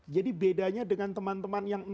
jadi bedanya dengan teman teman yang satu